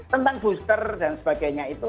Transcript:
tentang booster dan sebagainya itu